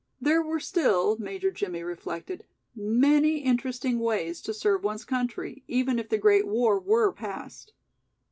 There were still, Major Jimmie reflected, many interesting ways to serve one's country, even if the great war were past.